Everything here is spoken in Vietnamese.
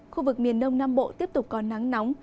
khu vực miền đông nam bộ tiếp tục có nắng nóng